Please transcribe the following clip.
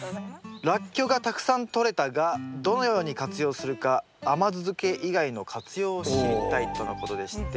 「ラッキョウがたくさんとれたがどのように活用するか甘酢漬け以外の活用を知りたい」とのことでして。